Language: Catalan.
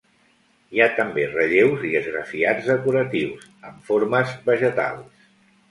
Hi ha també relleus i esgrafiats decoratius, amb formes vegetals.